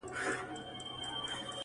o لوستونکي پرې فکر کوي ډېر,